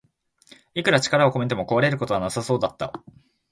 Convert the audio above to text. いくら力を込めても壊れることはなさそうだった